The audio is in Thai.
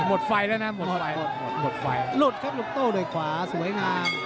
หมดไฟแล้วนะครับ